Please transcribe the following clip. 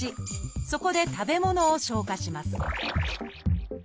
そこで食べ物を消化します